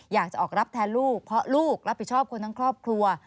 อยากจะออกรับแทนลูกเพราะลูกรับผิดชอบคนทั้งครอบครัว